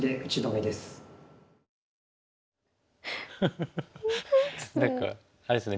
フフフ何かあれですね。